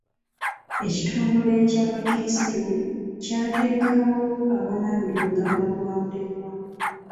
Ekitongole ky'abakulisitu kyateekawo awanaabirwa engalo mu bamulekwa.